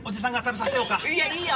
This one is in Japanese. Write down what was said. いやいいよ。